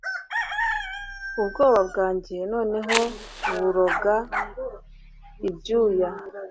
ubwoba bwanjye noneho buroga ibyuya